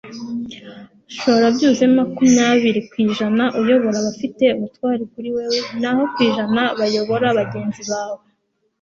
shora byibuze makumyabiri ku ijana uyobora abafite ubutware kuri wewe naho ku ijana bayobora bagenzi bawe